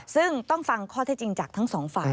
ซึ่งต้องฟังข้อเท็จจริงจากทั้งสองฝ่าย